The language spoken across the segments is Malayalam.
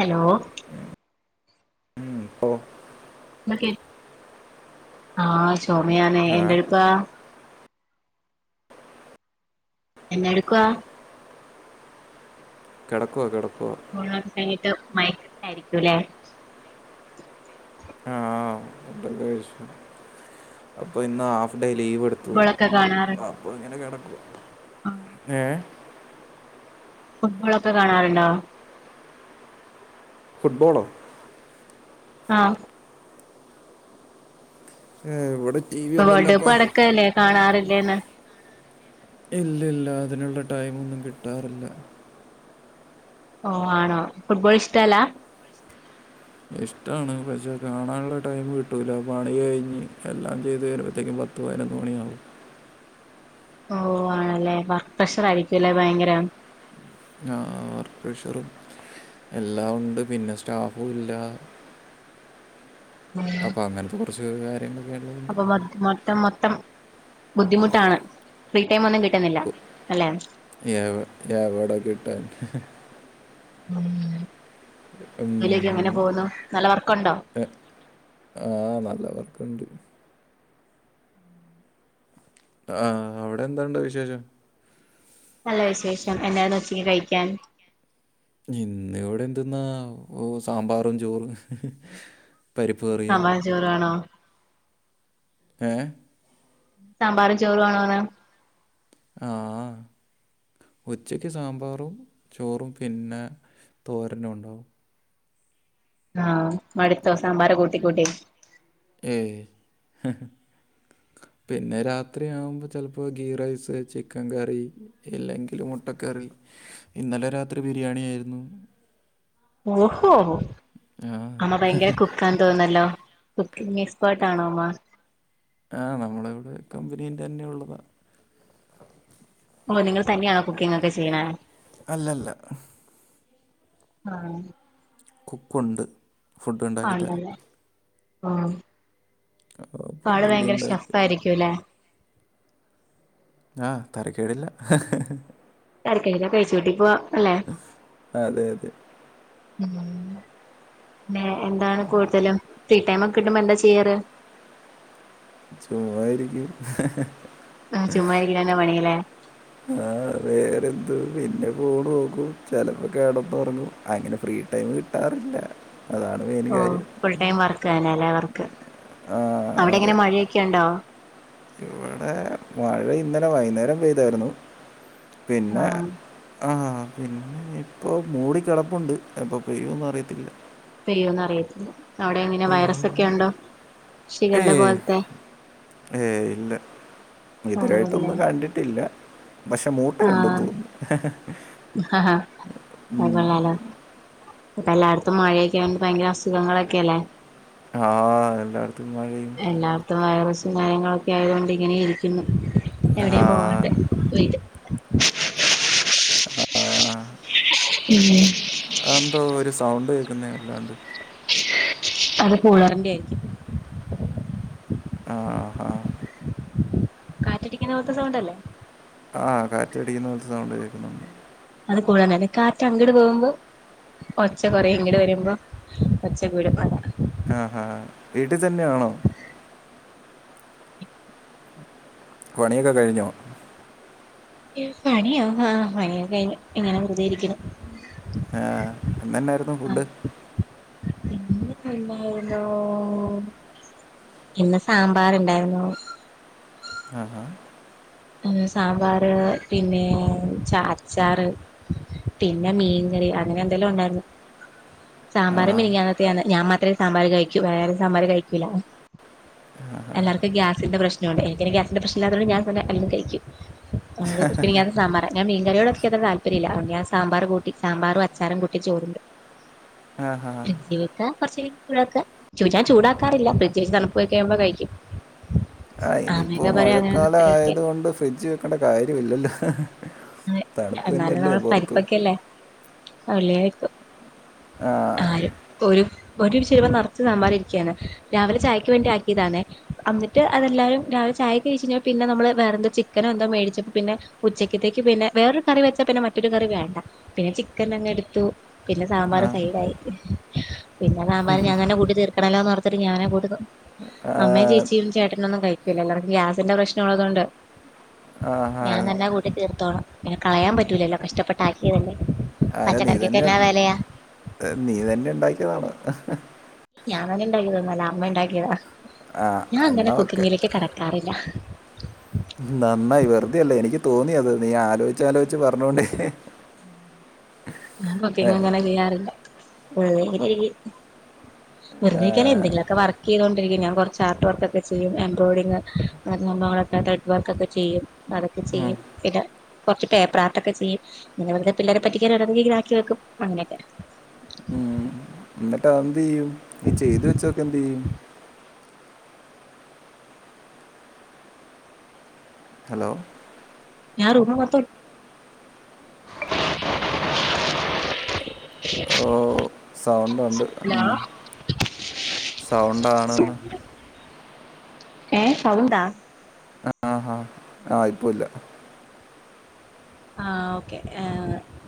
ഹലോ [unintelligible] [unintelligible] [unintelligible] ഏ എന്തെടുക്കാ എന്തെടുക്കുവാ കിടക്കുവാ ഉണൊക്കെ കഴിഞ്ഞിട്ട് മയക്കം തിലായിരിക്കും ലേ ആ ആ അപ്പൊ ഇന്ന് ആഫ് ഡേ ലീവ് എടുത്തു ഫുട്ബോളൊക്കെ കാണാറുണ്ടോ എ ഫുഡ് ബോൾ ഒക്കെ കാണാറുണ്ടോ ഫുട് ബോളോ ആ എ ഇവിടെ ടി വി വേൾഡ് കപ്പ് ഒന്നുമില്ലപ്പാ നടക്കല്ലേ കാണാറുണ്ടോ [unintelligible] ഇല്ലില്ല അതിനുള്ള ടൈം ഒന്നും കിട്ടാറില്ല ഓ ആണോ ഫുട്‌ബോൾ ഇഷ്ട്ടല്ല ഇഷ്ട്ടാണ് പക്ഷെ കാണാനുള്ള ടൈം കിട്ടൂല പണി കയിഞ്ഞു എല്ലാം ചയ്തു കയിഞ്ഞു വരുമ്പോൾത്ത് ക്ക്‌, പത്തു പതിനൊന്നു മണി ആവും ഓ ആണല്ലേ പ്രഷർ ആയിരിക്കും ഭയങ്കര ആ വർക്ക്‌ പ്രഷറുംഎല്ലാം ഉണ്ട് പിന്നെ സ്റ്റാഫും ഇല്ല അപ്പൊ അങ്ങനെത്തെ കുറച്ച് [unintelligible] അപ്പ മൊത്തം മൊത്തം ബുദ്ധിമുട്ടാണ് ഫ്രി ടൈമൊന്നും കിട്ടുന്നില്ല അല്ലെ എവിടെ കിട്ടാൻ [unintelligible] ജോലി ഒക്കെ ഉം, എങ്ങിനെ പോകുന്നു നല്ലവർക്കുണ്ടോ എവിടുന്ന് അവിടെന്തുണ്ട് വിശേഷം നല്ല വിശേഷം എന്തായിരുന്നു ഉച്ചയ്ക്ക് കഴിക്കാൻ എവിടെന്തന്നാ സാമ്പാറും ചോറും പരിപ്പ് കറിയും സമ്പാറും, ചോറുവാണോ ഏ സാമ്പാറും ചോറു ആണോ ന്ന് അ, അ ഉച്ചയ്ക്ക് സാമ്പാറും ചോറും പിന്നെ തോരനും അ മടുത്തോ സാമ്പാർ കൂട്ടി കൂട്ടി ഏയ് പിന്നെ രാത്രിയാവുമ്പോ ചെലപ്പോ ഗീറൈസ് ചിക്കൻ കറി ഇല്ലെങ്കിൽ മുട്ടക്കറി ഇന്നലെ രാത്രി ബിരിയാണിയായിരുന്നു ഓഹോ അമ്മ ഭയങ്കര കുക്കാണ്ന്ന് തോന്നുന്നല്ലോ കുക്കിങ് എക്സ്പേർട്ട് ആണൊ അമ്മ അ നമ്മുടെ വിടെ കമ്പിനിയിതന്നെ ഉള്ളതാ ഒ നിങ്ങള് തന്നെയാ കുക്കിങ് ഒക്കെ ചെയ്യണെ അല്ലല്ല അ കുക്ക് ഉണ്ട് ഫുഡ്ണ്ടാക്കി തരാൻ ഓ അപ്പോൾ ആള് പുള്ളി ഭയങ്കര ഉണ്ടാക്കി ഷെഫരിക്കൂലെ ആ തരക്കേടില്ല അത് കഴിഞ്ഞാൽ പേഴ്സ് ട്ടിക്കോവോ അതെ അതെ എന്താ കൂടുതലും ഫ്രീ ടൈം ഒക്കെ കിട്ടുമ്പോൾ എന്താ ചെയ്യാറ് ചുമ്മാതെ ഇരിക്കും ആ ചുമ്മായിരിക്കണ പണിഇല്ലേ അ വേറെ എന്ത് പിന്നെ ഫോൺ നോക്കും ചെലപ്പം കിടന്നുറങ്ങും അങ്ങനെ ഫ്രിടൈമ് കിട്ടാറില്ല അതാണ് മെയിൻ ഓ കാര്യം ഫുൾ ടൈം വർക്കാണ് ല്ലെ വർക്ക് ആ അവിടെ അതെ എങ്ങനെ മഴക്കൊണ്ടോ ഇവിടെ മഴന്നലെ വൈന്നാരം ചെയ്താരുന്നു പിന്നെ ആഹ് അ- ഇപ്പം മൂടി കിട്ടപ്പുണ്ട് എപ്പം ചെയ്യുന്നറിയത്തില്ല ചെയ്യുന്നറിയത് ഏ ഷിഗല്ല പോലത്തെ ഏയ് ഇല്ല ഇതെരായിട്ട് ആണല്ലേ ഒന്നു കണ്ടിട്ടില്ല പക്ഷെ മൂട്ടയുണ്ടെന്ന് ആഹ് തോന്നുന്നു ആഹ് അത് ഉം. കൊള്ളാലോ ഇപ്പ മഴെക്കാകുമ്പ ഭയങ്കര അസുഖങ്ങളേക്കെയെല്ലേ ആ എന്താണ് എല്ലാവ്ട്ത്തും വൈറസ് [unintelligible] ആയത്കൊണ്ട് ഇങ്ങനെ ഇരിക്കുന്നു ആ എവിടേം പോവാണ്ടെ പോയിട്ട് ആ ഇല്ലെ അ‌ എന്താ ഒരു സൗണ്ട് കേ ക്കുന്നെ വല്ലാണ്ട് അത് കൂളെറിന്റെയിരിക്കും ആ ഹ കാറ്റടിക്കുന്നപോൽത്തെ സൗണ്ടല്ലെ ആ കാറ്റടിയുന്ന പോൽത്തെ സൗണ്ട് കേൾക്കുന്നുണ്ട് അത് പോവർഞ്ഞാല് കാറ്റ് അങ്ങട് പോവുമ്പ ഒച്ച കൊറയും ഇങ്ങട് വരിമ്പ ഒച്ച കൂടും അതാ ആ ഹാ വീട്ടി തെന്നെയാണോ പണിയൊക്കെ കഴിഞ്ഞൊ പണിയൊ ആ പണിയൊക്കെ കഴിഞ്ഞ് ഇങ്ങനെ വെറ്തെ ഇരിക്ക്‌ണ് ആ എന്നനൊരു ഇപ്പ ഫുഡ്‌ ഇന്നെന്തുണ്ടായിര്ന്നു ഇന്ന് സാമ്പാറ് ഇണ്ടായിര്ന്നു അ ഹാ മ് സാമ്പാറ് പിന്നെ ച്ച അച്ചാറ് പിന്നെ മീൻ കറി അങ്ങനെന്തേലു ഉണ്ടായിര് ന്നു. സാമ്പാറ് മിനിഞ്ഞാന്നത്തെയാണ് ഞാൻ മാത്രെ സാമ്പാറ് കഴിക്കു വേറെര് സാമ്പാറ് കഴിക്കീല എല്ലാർക്ക്‌ ഗ്യാസ്ന്റെ പ്രശ്നോണ് എനിക്കെയിന് ഗ്യാസ്ന്റെ പ്രശ്നഇല്ലാത്തോണ്ട് ഞാൻ [unintelligible] എല്ലതും കഴിക്കും [inaudible] മിനിയാത്തെ സാമ്പാറ് ഞാൻ മീൻ കറിയോട് നിക്കത്ര താല്പര്യല്ല അതോണ്ട് ഞാൻ സാമ്പാറ് കൂട്ടി സാമ്പാറ് അച്ചാറും കൂട്ടി ചോറ്ണ്ട് ആ ഹാ [unintelligible] കൊറച്ചേരം ചുടാക്ക് [unintelligible] ചുടാക്കാറില്ല ഫ്രിഡ്ജ് വെച്ച തണ്പ്പ്‌ പോയി കഴിയുമ്പ കഴിക്കും ഇപ്പൊ അമ്മയൊക്കെ പറയും അങ്ങനെയൊന്നും മഴക്കാല കഴിക്ക ആയത് കൊണ്ട് ഫ് ഡ്ജ് വെക്കണ്ട കാര്യോല്ലല്ലോ എന്നാലു നമ്മള പരിപ്പൊക്കെയെല്ലേ ആ [unintelligible] ആരും ഓരും ഇത്തെക്ക് പിന്നെ വേറൊരു കറി വെച്ച പിന്നെ മറ്റൊരു കറി വേണ്ട. പിന്നെ ചിക്കൻ അങ്ങ് എടുത്തു പിന്നെ സാമ്പാർ സൈഡായി. പിന്നെ സാമ്പാറ് ഞാൻ തന്നെ കൂട്ടി തീർക്കണല്ലൊ ഓർ ത്ര് ഞാനാ കൂട്ട്ന്നെ അമ്മേം ആ ചേച്ചിയും ചേട്ടനൊന്നും കഴികൂല അവർക്ക് ഗ്യാസ്ന്റെ പ്രശ്നൊള്ളതൊണ്ട് ആ ഞാൻ തന്നാ കൂ ട്ടി തീർത്തോണം പിന്നെ കളയാൻപറ്റൂലല്ലൊ കഷ്ടപെട്ട് ആക്കിയതെല്ലെ അയിന് നീ തന്നെ എ നീ തന്നെ ഇണ്ടാക്കിയതാണ് ഞാനൊന്നു ഇണ്ടാകേതല്ല അമ്മ ഇണ്ടാക്കിയതാ ആ ഞാനങ്ങനെ എന്നാ ഓക്കെ കുക്കിങ്ങിലേക്ക് കടക്കാറില്ല നന്നായി വെറുതെ അല്ല എനിക്ക് തോന്നി അത് നീ ആലോയ്ചാലോയ് ച് പറഞ്ഞോണ്ടെ ഞാൻ കുക്കിംഗ്‌ അങ്ങനെ ചെയ്യാറില്ല [unintelligible] ആ, വെറുതെയിരിക്കല്ല എന്തെങ്കിലൊക്കെ വർക്ക്‌ ചെയ്തോണ്ടിരിക്കും ഞാൻ കൊറച്ച് ആപ്പ് വർകൊക്കെ ചെയ്യും, എംബ്രോയ്‌ഡിങ് അങ്ങനത്തെ സംഭവങ്ങളൊക്കെ ത്രെഡ് വർകൊക്കെ ചെയ്യും അതൊക്കെ ഉം, ചെയ്യും പിന്നെ കൊറച്ച് പേപ്പർ ആർട്ടൊക്കെ ചെയ്യും. ഇങ്ങനെ ഒക്കെ പിള്ളേരെ പറ്റിക്കാൻ ഓരോന്നിങ്ങനെ ആക്കി വെക്കും അങ്ങനെ ഒക്കെ ന്നട്ട് അതെന്തെയ്യും? ഈ ചെയ്തു വെച്ചതൊക്കെന്ത് ചെയ്യും? ഹലോ ഞാൻ റൂമ് മൊത്തം ഒണ്ട് ഉണ്ട് ഹലോ മ് സൗണ്ടാണെന്ന് ഏ സൗണ്ടാ? ആഹാ. ആ ഇപ്പ ഇല്ല ആ ഒക്കെ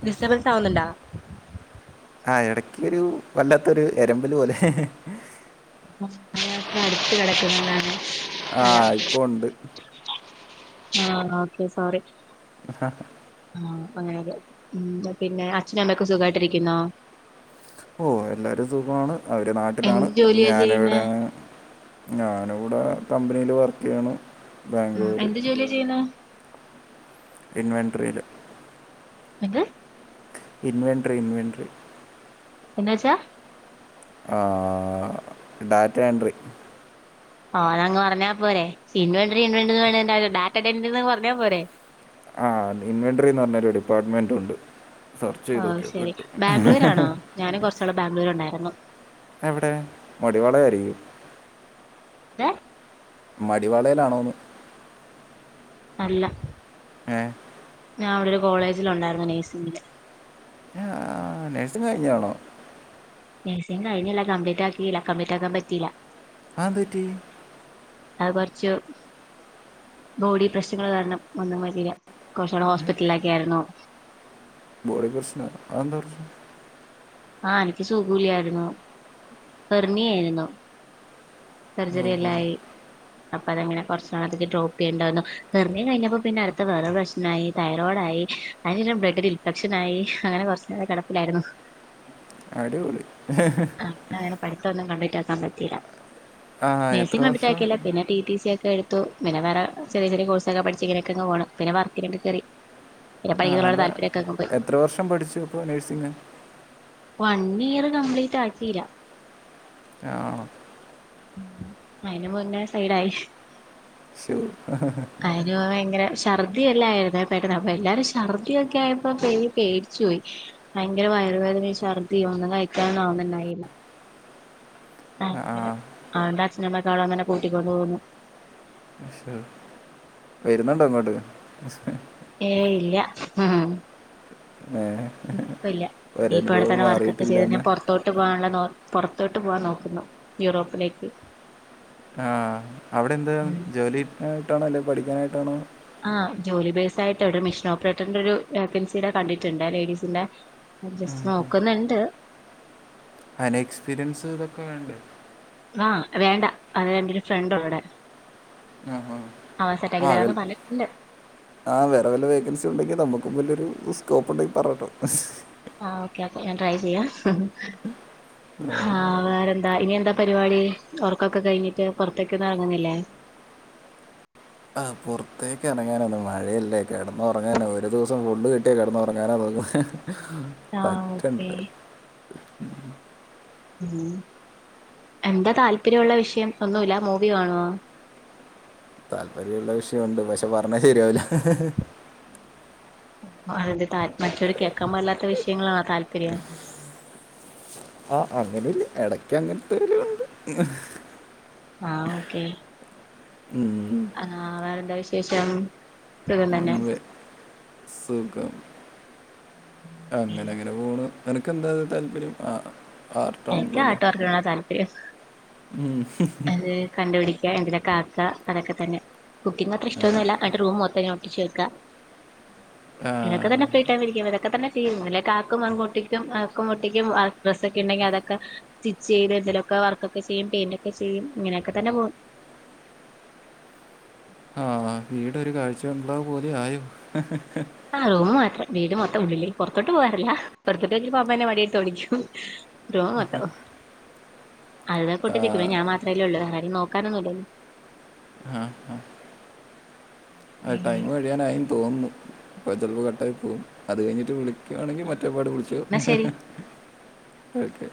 ഡിസ്റ്റർബൻസ് ആവുന്നുണ്ടോ? ആ എടക്കൊരു വല്ലാത്തൊരു എരമ്പല് പോലെ [unintelligible] അടുത്ത് കെടക്കുന്നോണ്ടാണേ ആ ഇപ്പൊ ഉണ്ട് ആ ഒക്കെ സോറി ആ അപ്പൊ അങ്ങനൊരു പിന്നെ അച്ഛനും അമ്മയൊക്കെ സുഖായിട്ടിരിക്കുന്നോ? ഓ എല്ലാരും സുഖമാണ് അവിടെ നാട്ടിലാണ് എന്ത് ജോലിയാ ഞാൻ ചെയ്യുന്നേ ഞാനിവിടെ കമ്പനിയിൽ വർക്ക്‌ ചെയ്യാണ് മ് ബാംഗ്ലൂര്. എന്ത് ജോലിയാ ചെയ്യുന്നേ? ഇൻവെൻട്രില് എന്ത്? ഇൻവെൻട്രി ഇൻവെൻട്രി എന്ന് വെച്ച? ആ ഡാറ്റാ എൻട്രി ആ അതെങ് പറഞ്ഞപോരെ ഇൻവെൻട്രി ഇൻവെൻട്രി ന്ന് പറേണെന്നാ ഡാറ്റ എൻട്രി എന്ന് പറഞ്ഞ പോരെ ആ ഇൻവെൻട്രി ന്ന് പറഞ്ഞൊരു ഡിപ്പാർട്മെന്റ് ഉണ്ട് സെർച്ച് ഓ ചെയ്ത് നോക്കിയോ ശെരി കിട്ടും. ബാംഗ്ലൂരാണോ ഞാനും കൊറച്ച് നാള് ബാംഗ്ലൂർ ഉണ്ടായിരു ന്നു. എവിടെ വടിവാളയാരിക്കും എ മടിവാളെലാണോന്ന് അല്ല ഏ ഞാഅവടൊരുകോളേജ്ലു ണ്ടായിരുന്നു നഴ്സിങ്ങിന് ആ നഴ്സിംഗ് കഴിഞ്ഞാണോ നഴ്സിംഗ് കഴിഞ്ഞില്ല കംപ്ലീറ്റ് ആക്കീല്ല കംപ്ലീറ്റാക്കാൻ പറ്റീല അന്തുപറ്റി അഅ് കൊർച്ചു ബോഡി പ്രശ്നങ്ങൾ കാരണം ഒന്നും പറ്റില്ല കൊർച്ചി ടെ ഹോസ്പിറ്റലിലെക്കായിരുന്നു ബോഡി പ്രശ്നോ അഎന്ത പ്രശ്നം ആ എനിക്ക് സുഖൂല്യായിരുന്നു ഹെർണി യായിരുന്നു സർജറി ഓഹോ എല്ലായി അപ്പൊ അതങ്ങനെ കൊർച്ച് നാളത്തേക്ക് ഡ്രോപ്പയ്യേണ്ടിവന്നു ഹെർണിയ കഴിഞ്ഞപ്പോ പിന്നെ അട്ത്തെ വേറെ പ്രശ്‌നായി തൈറോയിഡായി [unintelligible] ബ്ലഡ്‌ ഇൻഫെക്ഷനായി അങ്ങനെ കുറച്ച് നാൾ കെടപ്പിലായിരുന്നു അടിപൊളി അപ്പങ്ങനെ പഠി ത്തൊന്നും കമ്പ്ലീറ്റാക്കാൻ പറ്റില്ല ആ എത്ര നഴ്സിങ് വർഷം കംപ്ലീറ്റാക്കില പിന്നെ ടി ടി സി ക്കെട് ത്തു പിന്നെ വേറെ ചെറിയ ചെറിയ കോഴ്സൊക്കെ പഠിച്ച് ഇങ്ങനെക്കെങ്ങ് പോണു പിന്നെ വർക്ക് നോക്കെ കേറി പിന്നെ ആ പഠിക്കുന്നതിനോട് അത താല്പര്യമൊക്കെ അങ്ങ് പോയി എത്ര വർഷം പഠിച്ചു പ്പൊ നഴ്സിംഗ് വൺ ഇയർ കംപ്ലീ റ്റാക്കില്ല ആ അയിന് മുന്നേ സൈഡായി ശ്ശോ ഛർദിഎല്ലാം ആയിരുന്നേ പെട്ടന്ന് അപ്പൊ എല്ലാരും ശർദ്ധി ഒക്കെ ആയപ്പോ പേ പേട്ച്ചു പോയി ഭയങ്കര വയർ വേദനയുംശർദ്ദി ഒന്നുംകഴിക്കാൻ ആവുന്നുണ്ടായില്ല ആ അങ്ങനെ അഓണ്ട് അച്ഛനും അമ്മേക്കെ അവിടെ വന്നെന്നെ കൂട്ടി കൊണ്ട് പൊന്നു വരുന്നുണ്ടോങ്ങോട്ട് ഏയ്‌ ഇല്ല ഏ ഇപ്പല്ല്യ ഇപ്പടെ ഒരനുഭവം തന്നെ വർക്കൊക്കെ മാറിയിട്ടില്ല ചെയ്ത് ഞാ എന്ന് പോർത്തോട്ട് പോവാനുള്ള നോ പൊറത്തോട്ട് പോവാൻ നോക്കുന്നു യൂറോപ്പിലേക്ക് ആ അവടെന്താ ഉം ജോലി ആയിട്ടാണോ അല്ലേ പഠിക്കാനായിട്ടാണോ ആ ജോലി ബൈസായിട്ട വടെ മെഷീനോപ്രൈറ്ററിൻ്റൊരു വേക്കൻസി ടെ കണ്ടിട്ട്ണ്ട് ആ ലേഡീസിൻ്റെ ജസ്റ്റ്‌ നോക്ക് ന്ന്ണ്ട് അയിന് എക്സ്പീരിയൻസ് ഇതൊക്കെ വേണ്ടേ ആ വേണ്ട അവടെൻ്റൊരു ഫ്രണ്ട് ഉണ്ടവടെ ആ ആ പറഞ്ഞിട്ടുണ്ട് ആ വെ വേറെ വല്ല വേക്കൻസി ഉണ്ടങ്കി നമുക്കും വെല്ല സ്ക്കോപ്പ് ണ്ടെങ്കി പറട്ടോ ആ ഓക്കേ ഓക്കേ ഞാൻ ട്രൈ ചെയ്യാം ഹാ വേറെ എന്താ ഇനി എന്താ പരിവടി ഒറക്കൊക്ക കഴിഞ്ഞിട്ട് പുറത്തേക്കൊന്നും ഇറങ്ങുന്നില്ലേ പുറത്തേക്കിറങ്ങാനൊന്നും മഴ യല്ലെ കെടന്നുറങ്ങന്നെ ഒരു ദിവസം ഫുള്ള് കിട്ട്യാ കെടന്നുറങ്ങാന തോന്ന ആഹ് ഓക്കെ പറ്റണ്ടേ ഉം എന്താ താല്പര്യം ഉള്ള വിഷയം ഒന്നൂല്ല മൂവി കാണുവോ താല്പര്യം ഉള്ള വിഷയം ഉണ്ട് പക്ഷെ പറഞ്ഞാ ശരിയാവൂല അതെന്താ താൽ മറ്റുള്ളോർ കേൾക്കാൻ പാടില്ലാത്ത വിഷയങ്ങളാണോ താല്പര്യം അങ്ങനെ ഒന്നും ഇല്ല ഇടക്ക്‌ അങ്ങനെത്തെ ഒരു ഇതും ഉണ്ട് ആ ഓക്കേ ഉം ആ വേറെഎന്താ വിശേഷം? സുഖം ഉം, തന്നെ വെ- അങ്ങനങ്ങനെ പോണു. നിനക്ക് എന്താ അത് താല്പര്യം. ആ എനിക്ക് ആർട്ടാണല്ലോ അല്ലേ ആർട്ട് വർക്കിനോടാ താ യെസ് ഉം. അത് കണ്ട്പിടി എന്തരങ്കിലും ആക്ക അത് ഒക്കെ തന്നെ. കുക്കിങ്ങ് അത്ര ആ, ഇഷ്ടമൊന്നുമല്ല. അന്നിട്ട് റൂം മൊത്തം ഇങ്ങനെ ഒട്ടിച്ച് വെയ്ക്കുക. ആ, ഇങ്ങനൊക്കെ തന്നെ ഫ്രീ ടൈം ഇരിക്കുമ്പം ഇതൊക്കെ തന്നെ ചെയ്യുന്നത്. പിന്നെ ആക്കും ആങ്ങ് ഒട്ടിക്കും ആക്കും ഡ്രസ്സ്‌ ഒക്കെ ഉണ്ടങ്കിൽ അതൊക്കെ സ്റ്റിച്ച് ചെയ്ത് എന്തേലും ഒക്കെ വർക്ക് ചെയ്യും പെയിന്റ് ചെയ്യും. ഇങ്ങനെക്കെതന്നെ പോണും ആ വീട് ഒരു കാഴ്ചബംഗ്ലാവ് പോലെ ആയോ ഹ ഹ ആ റൂം മാത്രം. വീട് മൊത്തം വെ പുറത്തോട്ടുപോകാറില്ല. പുറത്തോട്ട് പോയാൽ അമ്മ എന്നെ വടിയെടുത്ത് ഓടിക്കും റൂം മാത്രം അതിനകത്ത് ആ, ഒട്ടിച്ച് വക്കും. ഞാൻ മാത്രമല്ലേ ഉള്ളു. വേറാരും നോക്കാനൊന്നുമില്ലല്ലോ? ആ. ആ ടൈം കഴിയാനായിന്നു തോന്നുന്നു. ഇപ്പം ചിലപ്പം കട്ടായി പോകും. അത് കഴിഞ്ഞിട്ട് വിളി ക്കുവാണങ്കിൽ മറ്റെപാട് വിളിച്ചോ. എന്നാ ഹ ശരി ഹ ഓക്കെ